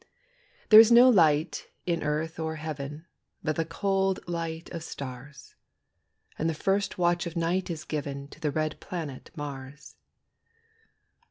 There is no light in earth or heaven, But the cold light of stars; And the first watch of night is given To the red planet Mars.